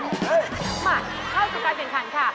เข้าจากการเปลี่ยนขันค่ะ